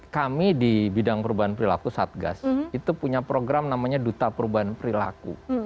kami di bidang perubahan perilaku satgas itu punya program namanya duta perubahan perilaku